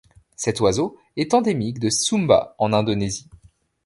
Cet oiseau est endémique de Sumba en Indonésie.